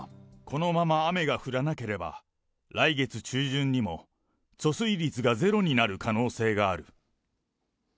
このまま雨が降らなければ、来月中旬にも貯水率がゼロになる可能性がある。